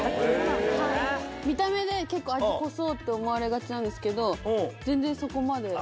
見た目で結構味濃そうって思われがちなんですけど全然そこまで。